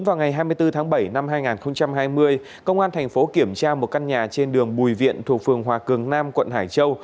vào ngày hai mươi bốn tháng bảy năm hai nghìn hai mươi công an thành phố kiểm tra một căn nhà trên đường bùi viện thuộc phường hòa cường nam quận hải châu